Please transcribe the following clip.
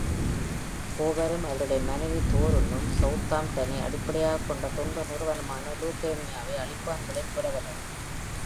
கோவரும் அவருடைய மனைவி தோருன்னும் சவுத்தாம்ப்டனை அடிப்படையாகக் கொண்ட தொண்டு நிறுவனமான லுகேமியாவை அழிப்பான்களின் புரவலர்கள்.